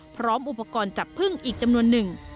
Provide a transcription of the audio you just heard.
พร้อมอุปกรณ์จับพึ่งอีกจำนวนหนึ่ง